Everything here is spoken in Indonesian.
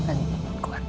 kamu tahu apa